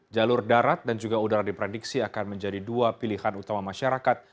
jalur darat dan juga udara diprediksi akan menjadi dua pilihan utama masyarakat